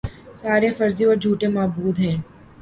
سارے فرضی اور جھوٹے معبود ہیں